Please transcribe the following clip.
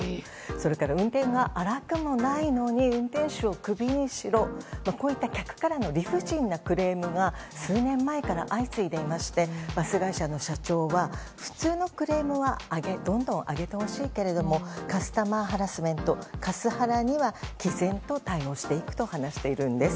それから、運転が荒くもないのに運転手をクビにしろといった客からの理不尽なクレームが数年前から相次いでいましてバス会社の社長は普通のクレームはどんどん挙げてほしいけれどもカスタマーハラスメントカスハラには毅然と対応していくと話しているんです。